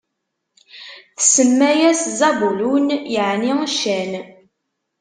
Tsemma-yas Zabulun, yeɛni ccan.